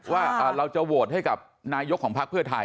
ว่าเราจะโหวตให้กับนายกของพักเพื่อไทย